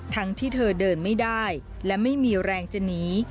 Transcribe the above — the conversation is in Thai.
ทั้งที่เธอเดินไม่ได้และไม่มีแรงจะหนี